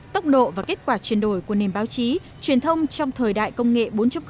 tốc độ và kết quả chuyển đổi của nền báo chí truyền thông trong thời đại công nghệ bốn